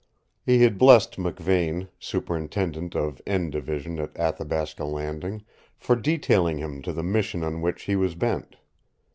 He had blessed McVane, superintendent of "N" Division at Athabasca Landing, for detailing him to the mission on which he was bent.